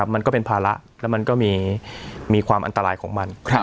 มันก็เป็นภาระแล้วมันก็มีความอันตรายของมัน